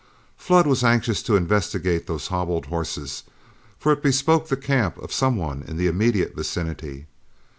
Flood was anxious to investigate those hobbled horses, for it bespoke the camp of some one in the immediate vicinity.